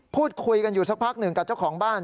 พูดคุยกันอยู่สักพักหนึ่งกับเจ้าของบ้าน